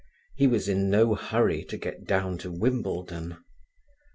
He was in no hurry to get down to Wimbledon.